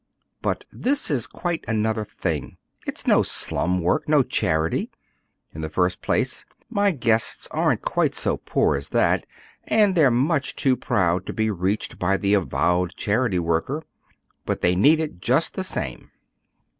"But this is quite another thing. It's no slum work, no charity. In the first place my guests aren't quite so poor as that, and they're much too proud to be reached by the avowed charity worker. But they need it just the same."